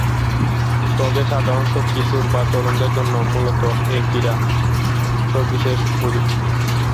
তবে সাধারণতঃ কিশোর বা তরুণদের জন্যে মূলতঃ এ ক্রীড়া সবিশেষ উপযোগী।